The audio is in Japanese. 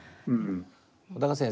小鷹先生